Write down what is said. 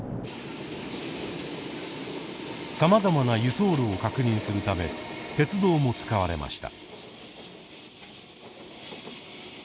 さまざまな輸送路を確認するため鉄道も使われました。